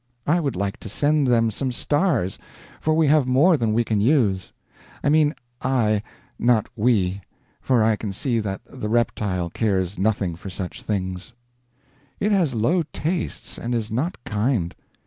I would like to send them some stars, for we have more than we can use. I mean I, not we, for I can see that the reptile cares nothing for such things. It has low tastes, and is not kind.